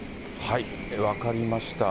分かりました。